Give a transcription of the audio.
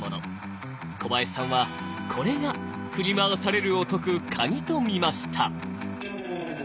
小林さんはこれが「振り回される」を解く鍵と見ました。